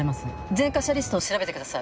前科者リストを調べてください。